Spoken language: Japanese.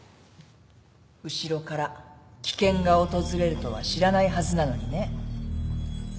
後ろから危険が訪れるとは知らないはずなのにね。